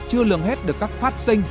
chưa lường hết được các phát sinh